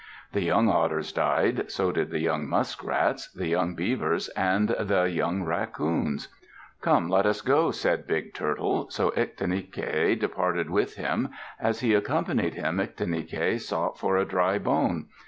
The young otters died, so did the young muskrats, the young beavers, and the young raccoons." "Come, let us go," said Big Turtle. So Ictinike departed with him. As he accompanied him, Ictinike sought for a dry bone.